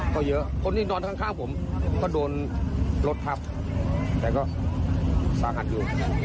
ก็เยอะคนที่นอนข้างผมก็โดนรถทับแต่ก็สาหัสอยู่